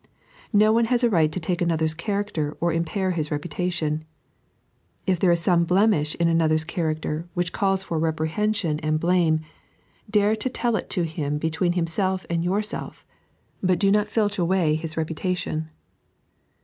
No one has a right to take another's character or impair his reputation. If there is some blemish in another's character which calls for reprehension 3.n.iized by Google 88 God's Pkiual Law. and bUme, dare to tell it him between himself and your self ; but do not filch away his reputation.